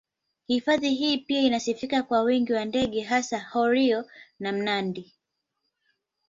Hifadhi hii pia inasifika kwa wingi wa ndege hasa heroe na mnandi